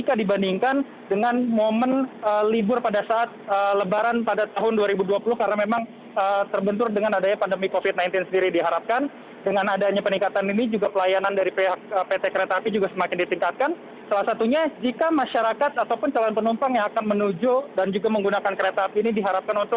albi pratama stasiun gambir jakarta